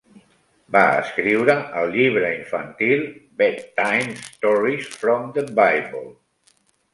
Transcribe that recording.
Va escriure el llibre infantil "Bedtime Stories from the Bible".